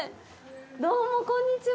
どうも、こんにちは。